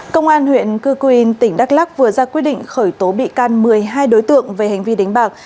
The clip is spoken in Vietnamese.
công an huyện cư quyên tỉnh đắk lắc vừa ra quyết định khởi tố bị can một mươi hai đối tượng về hành vi đánh bạc